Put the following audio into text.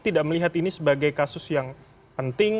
tidak melihat ini sebagai kasus yang penting